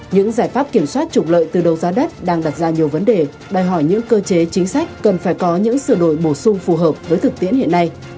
những giải pháp kiểm soát trục lợi từ đầu giá đất đang đặt ra nhiều vấn đề đòi hỏi những cơ chế chính sách cần phải có những sửa đổi bổ sung phù hợp với thực tiễn hiện nay